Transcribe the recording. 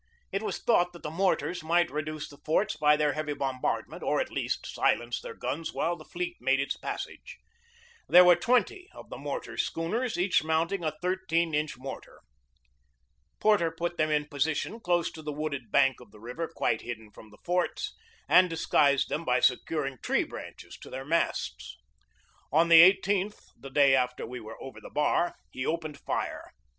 It was thought that the mortars might reduce the forts by their heavy bombardment, or at least silence their guns while the fleet made its passage. There were twenty of the mortar schooners, each mounting a thirteen inch mortar. Porter put them in position close to the wooded bank of the river, quite hidden from the forts, and disguised them by securing tree branches to their masts. On the 1 8th, the day after we were over the bar, he opened fire.